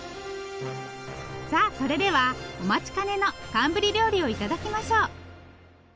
さあそれではお待ちかねの寒ブリ料理を頂きましょう！